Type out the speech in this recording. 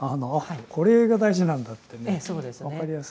これが大事なんだって分かりやすい。